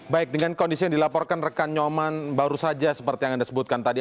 baik dengan kondisi yang dilaporkan rekan nyoman baru saja seperti yang anda sebutkan tadi